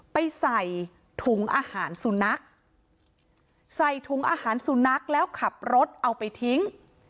ไปใส่ถุงอาหารสุนัขใส่ถุงอาหารสุนัขแล้วขับรถเอาไปทิ้ง